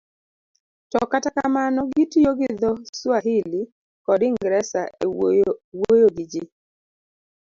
to kata kamano gitiyo gi dho Swahili kod Ingresa e wuoyo gi ji.